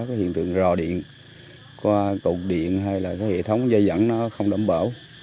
có cái hiện tượng rò điện có cục điện hay là cái hệ thống dây dẫn nó không đẩm bảo